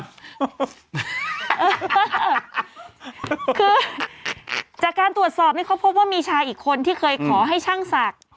คือจากการตรวจสอบนี่เขาพบว่ามีชายอีกคนที่เคยขอให้ช่างศักดิ์